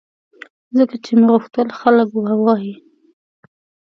ځکه چې مې غوښتل خلک ووایي